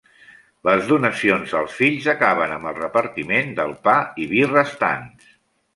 Les donacions als fills acaben amb el repartiment del pa i vi restants.